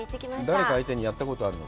誰か相手にやったこと、あるの？